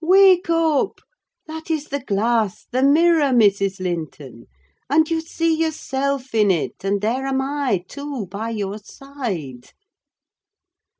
Wake up! That is the glass—the mirror, Mrs. Linton; and you see yourself in it, and there am I too by your side."